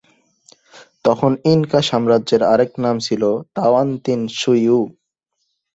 তখন ইনকা সাম্রাজ্যের আরেক নাম ছিল তাওয়ান্তিনসুইয়ু।